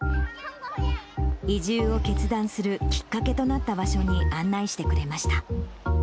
移住を決断するきっかけとなった場所に案内してくれました。